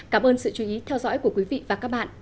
cảm ơn sự chú ý theo dõi của quý vị và các bạn